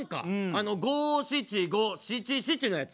あの五・七・五・七・七のやつ。